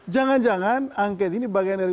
jangan jangan angket ini bagian dari